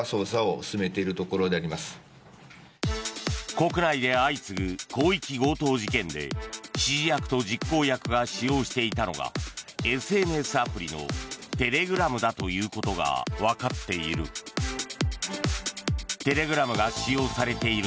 国内で相次ぐ広域強盗事件で指示役と実行役が使用していたのがＳＮＳアプリのテレグラムだということが分かっている。